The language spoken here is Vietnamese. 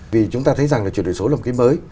vì chúng ta thấy rằng là chuyển đổi số là một cái mới